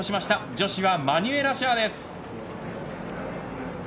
女子はマニュエラ・シャーです。